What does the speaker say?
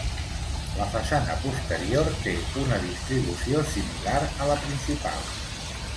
La façana posterior té una distribució similar a la principal.